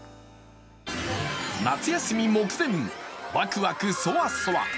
夏休み目前、ワクワク、ソワソワ。